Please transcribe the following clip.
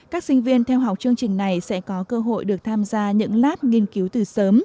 các sinh viên theo học chương trình này sẽ có cơ hội được tham gia những lát nghiên cứu từ sớm